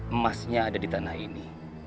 emasnya ada di tanah ini